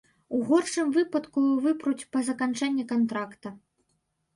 У горшым выпадку выпруць па заканчэнні кантракта.